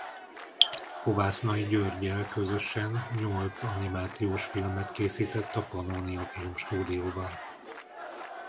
Kovásznai Györggyel közösen nyolc animációs filmet készített a Pannónia Filmstúdióban.